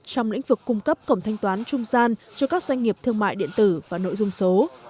trong lĩnh vực cung cấp cổng thanh toán trung gian cho các doanh nghiệp thương mại điện tử và nội dung số